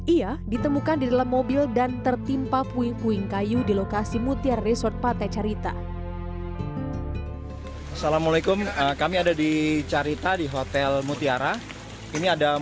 ia ditemukan di dalam mobil dan tertimpa puing puing kayu di lokasi mutiara resort pantai carita